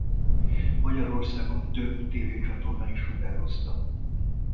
Magyarországon több tévécsatorna is sugározta.